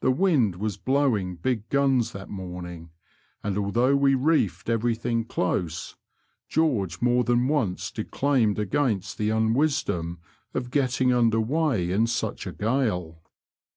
The wind was blowing big guns that morning, and although we reefed everything close, George more than once declaimed against the unwisdom of getting under weigh in such a gale.